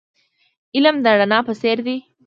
علم د رڼا په څیر دی .